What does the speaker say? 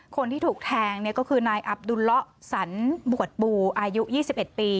คนที่ถูกแทงก็คือนายอับดุลละสันบวชปูอายุ๒๑ปี